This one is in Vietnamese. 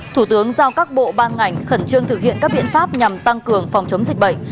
thủ tướng giao các bộ ban ngành khẩn trương thực hiện các biện pháp nhằm tăng cường phòng chống dịch bệnh